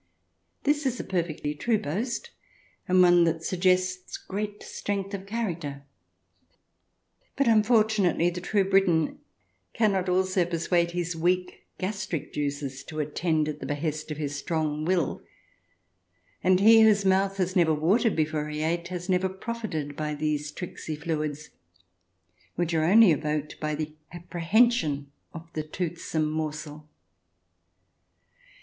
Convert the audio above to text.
This is a perfectly true boast, and one that suggests great strength of character ; but unfortunately the true Briton cannot also persuade his weak gastric juices to attend at the behest of his strong will ; and he whose mouth has never watered before he ate has never profited by these tricksy fluids, which are only evoked by the apprehension of the toothsome morsel.